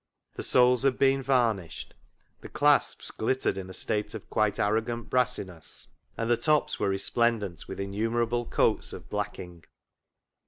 The soles had been varnished, the clasps glittered in a state of quite arrogant brassiness, and the tops were resplendent with innumerable coats of blacking.